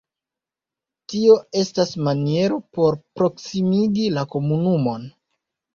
Tio estas maniero por proksimigi la komunumon.